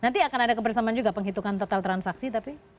nanti akan ada kebersamaan juga penghitungan total transaksi tapi